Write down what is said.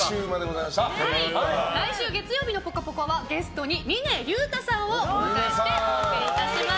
来週月曜日の「ぽかぽか」はゲストに峰竜太さんをお迎えしてお送りします。